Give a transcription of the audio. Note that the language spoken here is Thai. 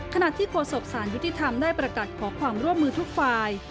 ขณะที่โฆษกสารยุติธรรมได้ประกาศขอความร่วมมือทุกฝ่าย